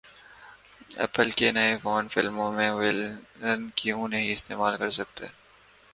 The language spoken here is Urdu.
ایپل کے ئی فون فلموں میں ولن کیوں نہیں استعمال کرسکتے